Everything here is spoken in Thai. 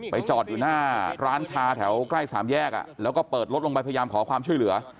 จอดอยู่หน้าร้านชาแถวใกล้สามแยกแล้วก็เปิดรถลงไปพยายามขอความช่วยเหลือ